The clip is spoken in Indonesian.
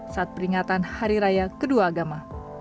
saat peringatan hari raya kedua agama